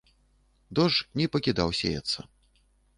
Дождж не пакідаў сеяцца.